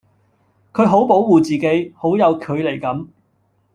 佢好保護自己，好有距離感